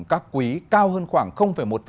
các quý cao hơn khoảng một